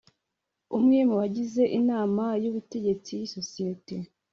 Umwe mu bagize Inama y Ubutegetsi y isosiyete